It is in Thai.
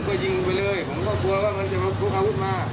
ก็ยิงไปเลยผมก็กลัวว่ามันจะมาพกอาวุธมา